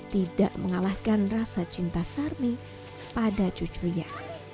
tidak mengalahkan rasa cinta sarmi pada cucunya